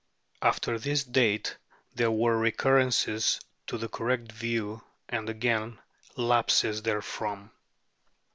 After this date there were re currences to the correct view, and again lapses there from.